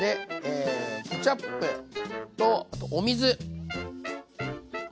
ケチャップとあとお水入れます。